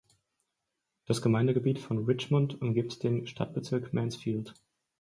Das Gemeindegebiet von Richmond umgibt den Stadtbezirk Mansfield.